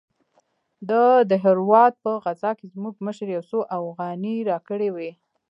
د دهراوت په غزا کښې زموږ مشر يو څو اوغانۍ راکړې وې.